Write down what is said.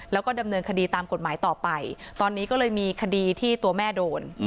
แล้วก็ดำเนินคดีตามกฎหมายต่อไปตอนนี้ก็เลยมีคดีที่ตัวแม่โดน